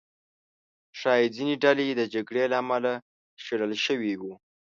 ښایي ځینې ډلې د جګړې له امله شړل شوي وو.